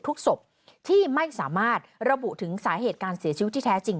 ศพที่ไม่สามารถระบุถึงสาเหตุการเสียชีวิตที่แท้จริง